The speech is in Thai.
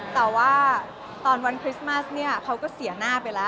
แต่ว่าตอนวันคริสต์มัสเนี่ยเขาก็เสียหน้าไปแล้ว